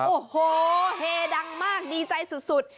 โอ้โหเฮดังมากดีใจสุด